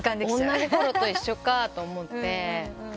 女心と一緒かと思って。